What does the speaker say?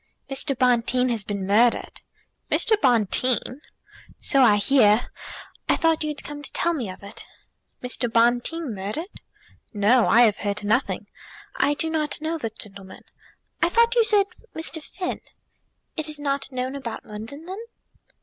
"Mr. Bonteen has been murdered!" "Mr. Bonteen!" "So I hear. I thought you had come to tell me of it." "Mr. Bonteen murdered! No; I have heard nothing. I do not know the gentleman. I thought you said Mr. Finn." "It is not known about London, then?"